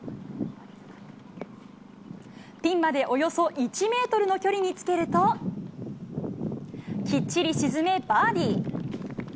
ピンまでおよそ１メートルの距離につけると、きっちり沈め、バーディー。